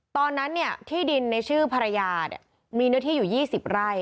ตอนนั้นที่ดินในชื่อภรรยามีเนื้อที่อยู่๒๐ไร่